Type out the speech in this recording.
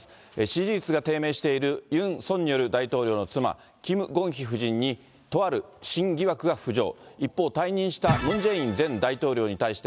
支持率が低迷しているユン・ソンニョル大統領の妻、キム・ゴンヒ夫人にとある新疑惑が浮上。